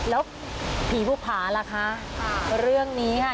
แล้วผีภูผาล่ะคะเรื่องนี้ค่ะ